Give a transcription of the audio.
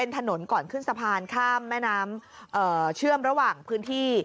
ถนนก่อนขึ้นสะพานข้ามแม่น้ำเชื่อมระหว่างพื้นที่